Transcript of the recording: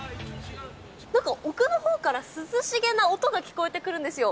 なんか奥のほうから涼しげな音が聞こえてくるんですよ。